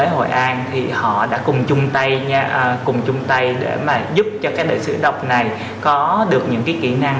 hội an đã cùng chung tay giúp cho đại sứ đọc này có được những kỹ năng